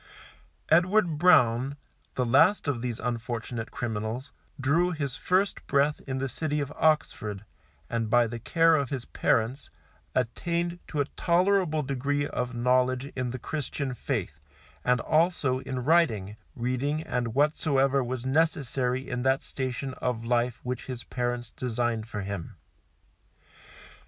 Edward Brown, the last of these unfortunate criminals, drew his first breath in the city of Oxford, and by the care of his parents, attained to a tolerable degree of knowledge in the Christian faith, as also in writing, reading and whatsoever was necessary in that station of life which his parents designed for him.